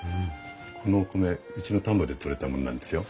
このお米うちの田んぼで採れたものなんですよ。